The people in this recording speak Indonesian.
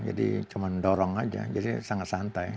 jadi cuma mendorong saja jadi sangat santai